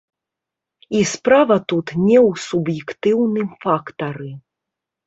І справа тут не ў суб'ектыўным фактары.